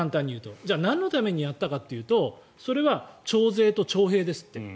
じゃあなんのためにやったかというとそれは徴税と徴兵ですって。